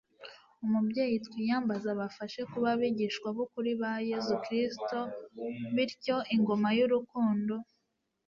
mubyeyi twiyambaza abafashe kuba abigishwa b'ukuri ba yezu kristu bityo ingoma y'urukundo